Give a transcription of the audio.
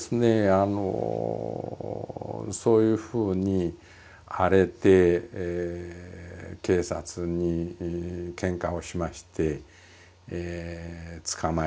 あのそういうふうに荒れて警察にケンカをしまして捕まえられましてね。